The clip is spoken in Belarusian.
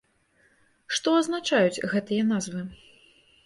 Што азначаюць гэтыя назвы?